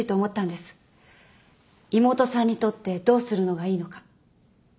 妹さんにとってどうするのがいいのか。